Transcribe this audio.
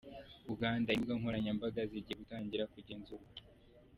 Uganda: Imbuga nkoranyambaga zigiye gutangira kugenzurwa.